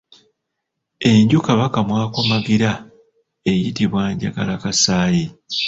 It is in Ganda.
Enju Kabaka mw'akomagira eyitibwa Njagalakasaayi.